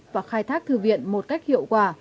và khai thác thư viện một cách hiệu quả